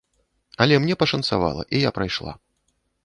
Але мне пашанцавала, і я прайшла.